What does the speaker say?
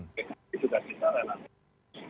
begitu juga secara langsung